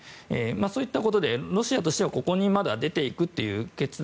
そういったことでロシアとしてはここにまだ出ていくという決断